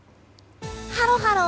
ハロハロ！